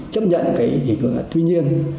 chấp nhận cái gì cũng là tuy nhiên